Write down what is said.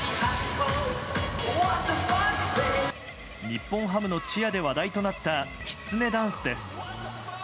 日本ハムのチアで話題となったきつねダンスです。